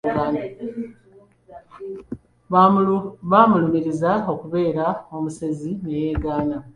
Baamulumiriza okubeera omusezi ne yeegaana.